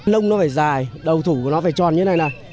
lông nó phải dài đầu thủ của nó phải tròn như thế này là